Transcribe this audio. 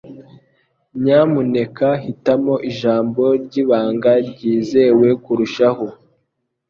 Nyamuneka hitamo ijambo ryibanga ryizewe kurushaho.